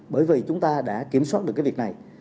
bởi vì chúng ta đã kiểm soát được cái việc này